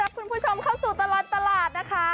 คุณผู้ชมเข้าสู่ตลอดตลาดนะคะ